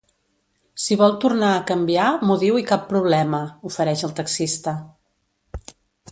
Si vol tornar a canviar m'ho diu i cap problema —ofereix el taxista.